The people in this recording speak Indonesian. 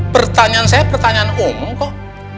pertanyaan saya pertanyaan umum kok